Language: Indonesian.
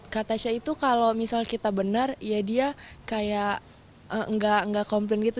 kak tasya itu kalau misal kita benar ya dia kayak enggak komplain gitu